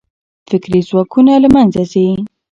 فکري ځواکونه له منځه ځي.